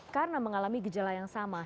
karena mengalami gejala yang sama